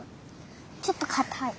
ちょっとかたい。